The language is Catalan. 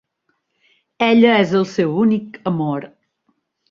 Ella és el seu únic amor.